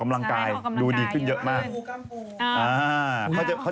ไม่อันนี้เป็นกล้ามเนื้อ